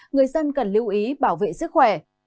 người dân cần lưu ý bảo vệ sức khỏe